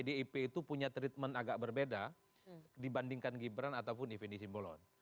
pdip itu punya treatment agak berbeda dibandingkan gibran ataupun ife nisimbolon